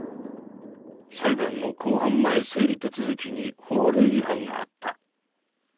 裁判の公判前整理手続きに法令違反があった。